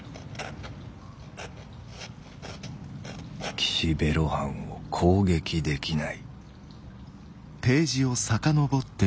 「岸辺露伴を攻撃できない」。